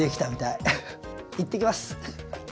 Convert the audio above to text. いってきます！